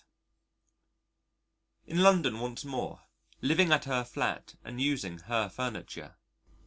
In London once more, living at her flat and using her furniture.